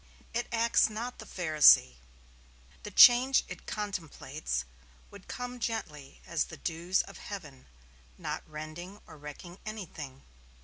It acts not the Pharisee. The change it contemplates would come gently as the dews of heaven, not rending or wrecking anything.